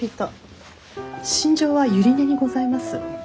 しんじょは百合根にございます。